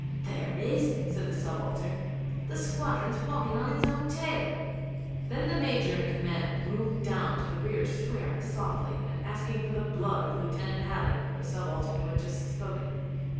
'There is,' said the subaltern. 'The squadron's walking on it's own tail.' Then the Major in command moved down to the rear swearing softly and asking for the blood of Lieutenant Halley the subaltern who had just spoken.